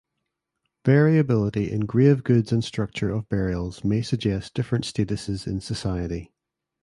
Variability in grave goods and structure of burials may suggest different statuses in society.